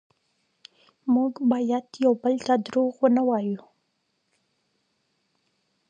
موږ باید یو بل ته دروغ ونه وایو